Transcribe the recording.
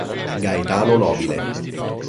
Gaetano Nobile.